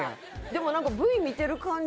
でも何かＶ見てる感じ